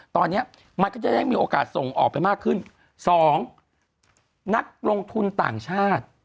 ตอนนี้มันก็จะได้มีโอกาสส่งออกไปมากขึ้นสองนักลงทุนต่างชาติ